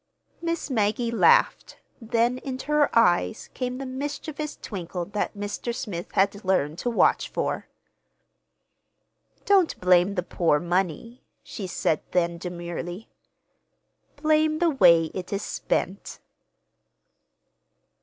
Miss Maggie laughed, then into her eyes came the mischievous twinkle that Mr. Smith had learned to watch for. "Don't blame the poor money," she said then demurely. "Blame—the way it is spent!"